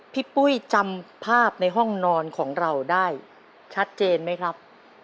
ปุ้ยจำภาพในห้องนอนของเราได้ชัดเจนไหมครับ